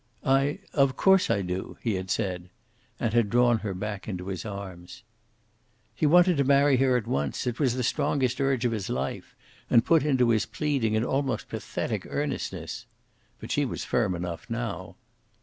"I of course I do," he had said. And had drawn her back into his arms. He wanted to marry her at once. It was the strongest urge of his life, and put into his pleading an almost pathetic earnestness. But she was firm enough now.